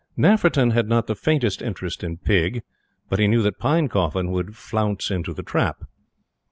Nafferton had not the faintest interest in Pig, but he knew that Pinecoffin would flounce into the trap.